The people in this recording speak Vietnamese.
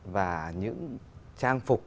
và những trang phục